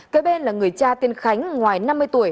cái bên là người cha tên khánh ngoài năm mươi tuổi